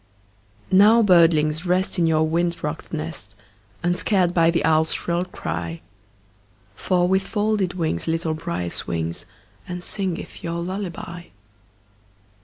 Now, birdlings, rest, In your wind rocked nest, Unscared by the owl's shrill cry; For with folded wings Little Brier swings, And singeth your lullaby.